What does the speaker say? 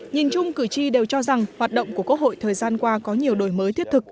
nhìn chung cử tri đều cho rằng hoạt động của quốc hội thời gian qua có nhiều đổi mới thiết thực